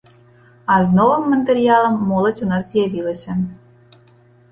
А з новым матэрыялам моладзь у нас з'явілася.